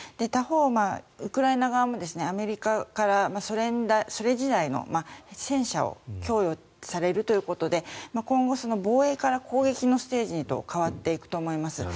他方、ウクライナ側もアメリカからソ連時代の戦車を供与されるということで今後防衛から攻撃のステージへと変わっていくと思います。